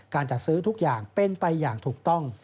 การจัดซื้อทุกอย่างเป็นไปอย่างถูกต้อง